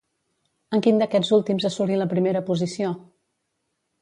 En quin d'aquests últims assolí la primera posició?